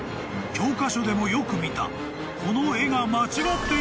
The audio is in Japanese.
［教科書でもよく見たこの絵が］